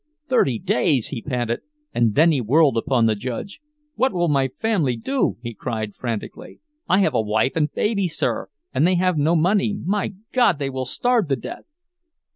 "Thirty days!" he panted and then he whirled upon the judge. "What will my family do?" he cried frantically. "I have a wife and baby, sir, and they have no money—my God, they will starve to death!"